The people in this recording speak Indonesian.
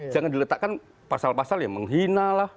jangan diletakkan pasal pasal yang menghina lah